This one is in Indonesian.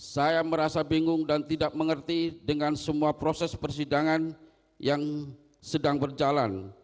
saya merasa bingung dan tidak mengerti dengan semua proses persidangan yang sedang berjalan